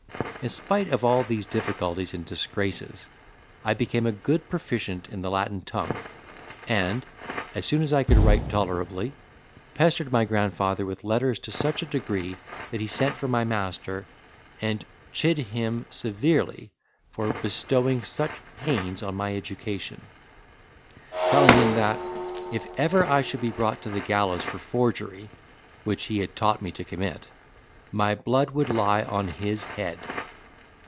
In spite of all these difficulties and disgraces, I became a good proficient in the Latin tongue; and, as soon as I could write tolerably, pestered my grandfather with letters to such a degree that he sent for my master, and chid him severely for bestowing such pains on my education, telling him that, if ever I should be brought to the gallows for forgery, which he had taught me to commit, my blood would lie on his head.